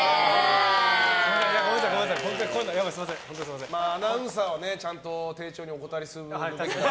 まあアナウンサーはちゃんと丁重にお断りする。